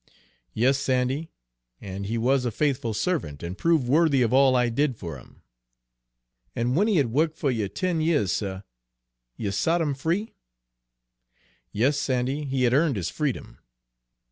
"Yes, Sandy, and he was a faithful servant, and proved worthy of all I did for him." "And w'en he had wo'ked fer you ten years, suh, you sot 'im free?" "Yes, Sandy, he had earned his freedom."